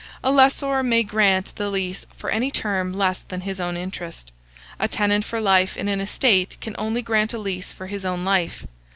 A lessor may grant the lease for any term less than his own interest. A tenant for life in an estate can only grant a lease for his own life.